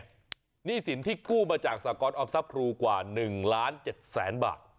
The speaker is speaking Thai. หนี้สินที่กู้มาจากสากรออมทรัพย์ครูกว่า๑ล้าน๗แสนบาท